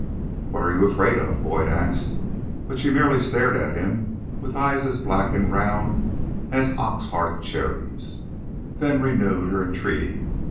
"What are you afraid of?" Boyd asked; but she merely stared at him with eyes as black and round as ox heart cherries, then renewed her entreaty.